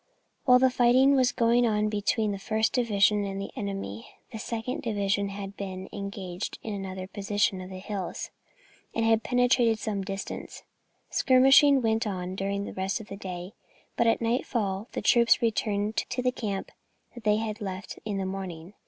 While the fighting was going on between the first division and the enemy, the second division had been engaged in another portion of the hills, and had penetrated some distance. Skirmishing went on during the rest of the day, but at nightfall the troops returned to the camp that they had left in the morning.